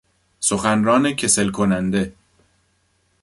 سخنران کسل کننده